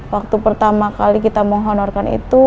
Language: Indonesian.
waktu pertama kali kita menghonorkan itu